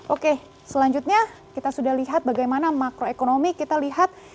oke selanjutnya kita sudah lihat bagaimana makroekonomi